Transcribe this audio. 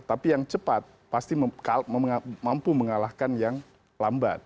tapi yang cepat pasti mampu mengalahkan yang lambat